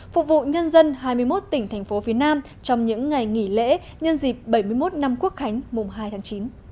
phục vụ nhân dân hai mươi một tỉnh thành phố phía nam trong những ngày nghỉ lễ nhân dịp bảy mươi một năm quốc khánh mùng hai tháng chín